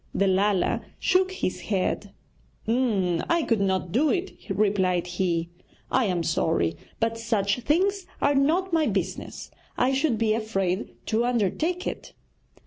The Lala shook his head. 'I could not do it,' replied he. 'I am sorry; but such things are not my business. I should be afraid to undertake it.'